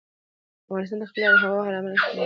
افغانستان د خپلې آب وهوا له امله شهرت لري.